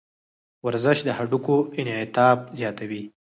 ورزش د هډوکو انعطاف زیاتوي.